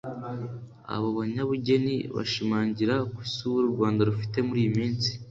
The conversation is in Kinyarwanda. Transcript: Abo banyabugeni bashimangira ko isura u Rwanda rufite muri iyi minsi